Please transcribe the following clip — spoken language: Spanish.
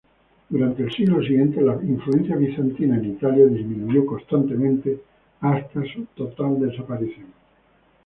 Durante el siglo siguiente, la influencia bizantina en Italia disminuyó constantemente hasta su desaparición.